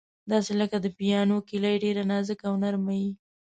داسې لکه د پیانو کیلۍ، ډېره نازکه او نرمه یې.